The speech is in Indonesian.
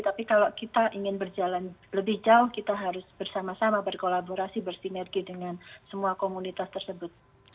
tapi kalau kita ingin berjalan lebih jauh kita harus bersama sama berkolaborasi bersinergi dengan semua komunitas tersebut